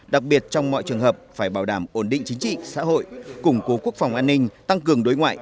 đặc biệt trong mọi trường hợp phải bảo đảm ổn định chính trị xã hội củng cố quốc phòng an ninh tăng cường đối ngoại